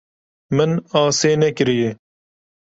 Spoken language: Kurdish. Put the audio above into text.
Min asê nekiriye.